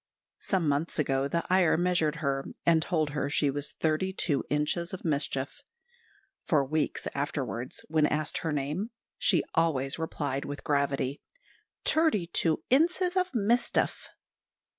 Some months ago, the Iyer measured her, and told her she was thirty two inches of mischief. For weeks afterwards, when asked her name, she always replied with gravity, "Terty two inses of mistef."